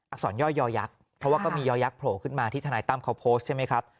สอนย่อยยอยักษ์เพราะว่าก็มียอยักษ์โผล่ขึ้นมาที่ทนายตั้มเขาโพสต์ใช่ไหมครับ